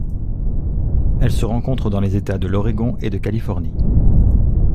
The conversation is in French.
Elle se rencontre dans les États de l'Oregon et de Californie.